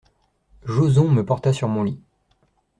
Joson me porta sur mon lit.